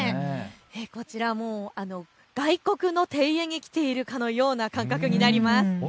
こちら外国の庭園に来ているような感覚になります。